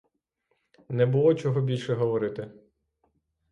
Не було чого більше говорити.